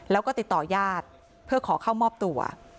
แล้วก็ติดต่อญาติเพื่อขอเข้ามอบตัว